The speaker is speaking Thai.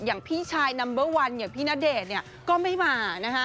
อย่างพี่ชายนัมเบอร์วันอย่างพี่ณเดชน์ก็ไม่มานะคะ